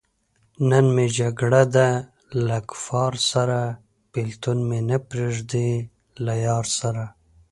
نن مې جګړه ده له کفاره سره- بېلتون مې نه پریېږدی له یاره سره